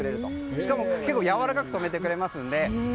しかも結構やわらかく止めてくれます。